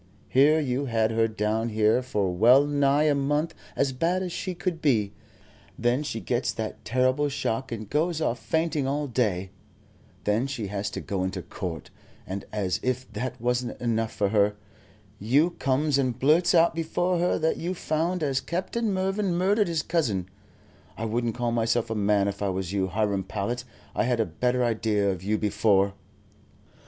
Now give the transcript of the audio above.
Here you had her down here for well nigh a month as bad as she could be; then she gets that terrible shock and goes off fainting all day; then she has to go into court, and as if that wasn't enough for her, you comes and blurts out before her that you found as Captain Mervyn murdered his cousin. I wouldn't call myself a man if I was you, Hiram Powlett. I had a better idea of you before."